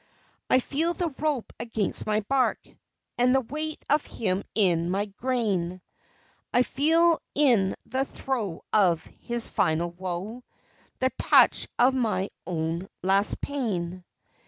I feel the rope against my bark, And the weight of him in my grain, I feel in the throe of his final woe The touch of my own last pain.